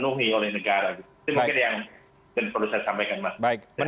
itu mungkin yang perlu saya sampaikan mas